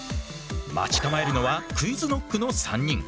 待ち構えるのはＱｕｉｚＫｎｏｃｋの３人。